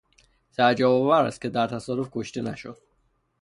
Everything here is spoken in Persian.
تعجبآور است که در تصادف کشته نشد.